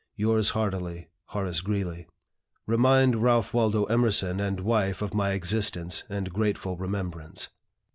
"Yours heartily, "HORACE GREELEY. "Remind Ralph Waldo Emerson and wife of my existence and grateful remembrance."